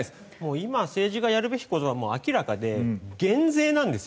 今政治がやるべき事はもう明らかで減税なんですよ。